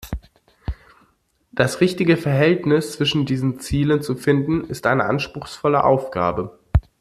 Das richtige Verhältnis zwischen diesen Zielen zu finden, ist eine anspruchsvolle Aufgabe.